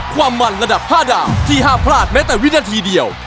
ความมันระดับ๕ดาวที่ห้ามพลาดแม้แต่วินาทีเดียว